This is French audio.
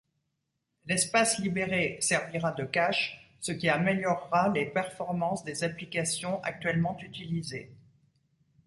L'espace libéré servira de cache, ce qui améliorera les performances des applications actuellement utilisées.